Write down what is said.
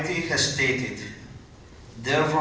tuhan al maiti telah mengatakan